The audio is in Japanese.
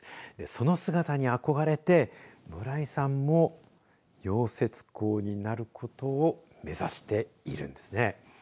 その姿に憧れて、村井さんも溶接工になることを目指しているんですね。